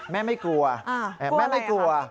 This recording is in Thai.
แม่ไม่กลัวแม่ไม่กลัว